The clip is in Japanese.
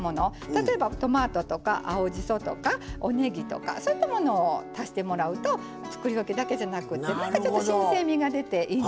例えばトマトとか青じそとかおねぎとかそういったものを足してもらうとつくりおきだけじゃなくて新鮮味が出ていいんですよ。